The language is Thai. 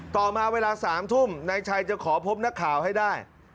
ต่อมาเวลา๓ทุ่มนายชัยจะขอพบนักข่าวให้ได้